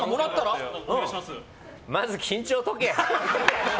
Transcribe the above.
まず緊張を解け！